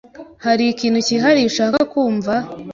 Hari ikintu cyihariye ushaka kumva?